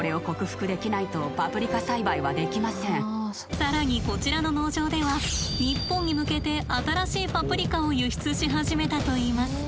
更にこちらの農場では日本に向けて新しいパプリカを輸出し始めたといいます。